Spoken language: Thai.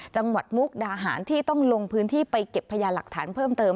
มุกดาหารที่ต้องลงพื้นที่ไปเก็บพยานหลักฐานเพิ่มเติม